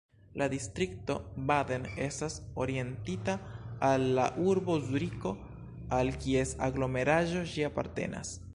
La distrikto Baden estas orientita al la urbo Zuriko al kies aglomeraĵo ĝi apartenas.